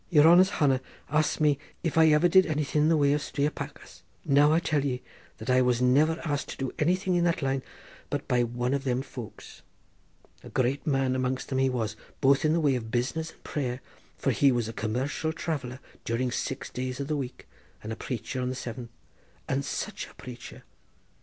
Yere hanner's hanner asked me if I ever did anything in the way of striopachas—now I tell ye that I was never asked to do anything in that line but by one of them folks—a great man amongst them he was, both in the way of business and prayer, for he was a commercial traveller during six days of the week and a preacher on the seventh—and such a preacher.